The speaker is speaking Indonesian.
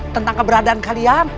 tentang keberadaan kalian